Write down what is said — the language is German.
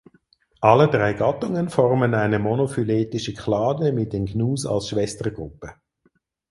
Alle drei Gattungen formen eine monophyletische Klade mit den Gnus als Schwestergruppe.